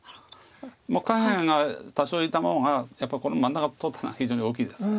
下辺が多少傷もうがやっぱりこの真ん中取ったのは非常に大きいです。